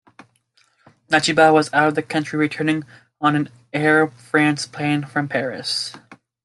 Natchaba was out of the country, returning on an Air France plane from Paris.